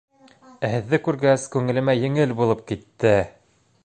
Ә һеҙҙе күргәс, күңелемә еңел булып китте!